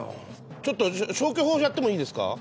ちょっと消去法でやってもいいですか？